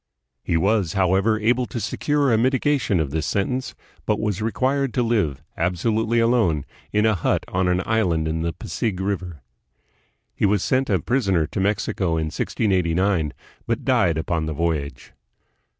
217 He was, however, able to secure a mitigation of this sentence, but was required to live absolutely alone in a hut on an island in the Pasig River. He was sent a prisoner to Mexico hi 1689, but died upon the voyage.